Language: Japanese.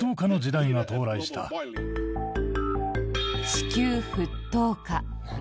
地球沸騰化。